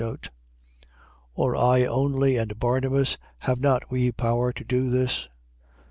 Or I only and Barnabas, have not we power to do this?